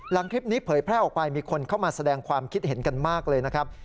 คลิปนี้เผยแพร่ออกไปมีคนเข้ามาแสดงความคิดเห็นกันมากเลยนะครับ